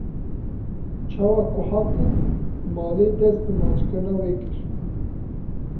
Çawa ku hatin malê dest bi maçkirina wê kir.